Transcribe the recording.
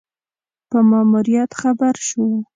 په ماموریت خبر شو.